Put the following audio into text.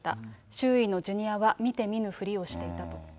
周囲のジュニアは見て見ぬふりをしていたと。